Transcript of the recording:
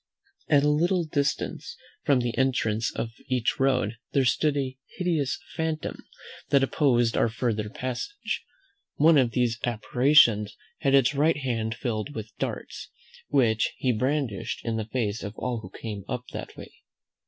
At a little distance from the entrance of each road there stood a hideous phantom, that opposed our further passage. One of these apparitions had his right hand filled with darts, which he brandished in the face of all who came up that way.